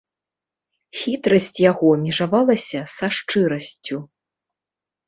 Хітрасць яго межавалася са шчырасцю.